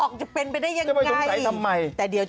พอกจะเป็นซื้อเป็นไปได้อย่างใกล้